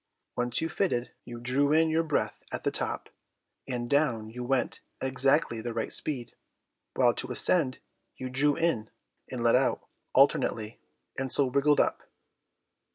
Once you fitted, you drew in your breath at the top, and down you went at exactly the right speed, while to ascend you drew in and let out alternately, and so wriggled up.